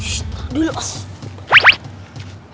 shh tak dulu asyik